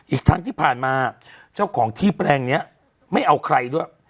อีกทั้งที่ผ่านมาเจ้าของที่แปลงนี้ไม่เอาใครด้วย